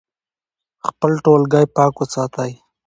خپل ټولګی پاک وساتئ.